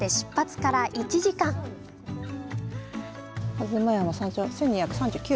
吾妻山山頂１，２３９！